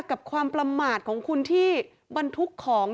กับความประมาทของคุณที่บรรทุกของ